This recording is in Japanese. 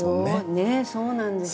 ねえそうなんです。